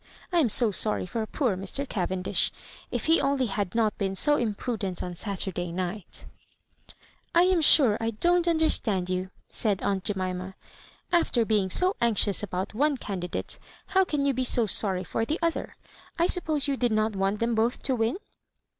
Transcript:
I am so sorry for poor Mi, Cavendish. If he only had not been so impru dent on Saturday night 1 " "I am sure I don't understand you," said aunt Jemima. " After being so anxious about one candidate, how can you be so sorry for the o'ther? I suppose you did not want them bo^ to win?"